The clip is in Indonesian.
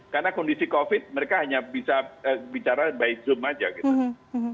karena kondisi covid mereka hanya bisa bicara by zoom aja gitu